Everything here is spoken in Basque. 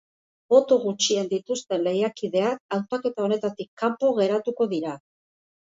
Boto gutxien dituzten lehiakideak hautaketa honetatik kanpo geratuko dira.